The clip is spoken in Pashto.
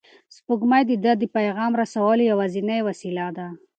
سپوږمۍ د ده د پیغام رسولو یوازینۍ وسیله ده.